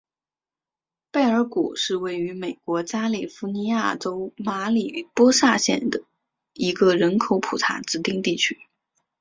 贝尔谷是位于美国加利福尼亚州马里波萨县的一个人口普查指定地区。